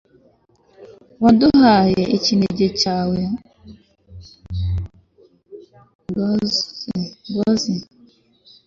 waduhaye ikinege cawe, ngw'aze